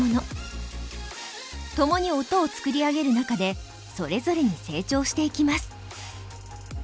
共に音を作り上げる中でそれぞれに成長していきます。